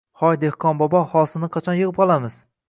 Hoy, dehqonbobo, hosilni qachon yig’ib olamiz?!